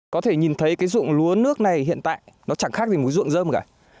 có thể nhìn thấy cái ruộng lúa nước này hiện tại nó chẳng khác gì mối ruộng rơm cả